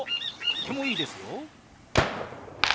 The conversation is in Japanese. とてもいいですよ。